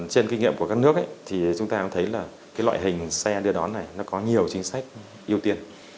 trên kinh nghiệm của các nước thì chúng ta cũng thấy là cái loại hình xe đưa đón này nó có nhiều chính sách ưu tiên